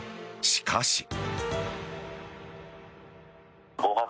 しかし。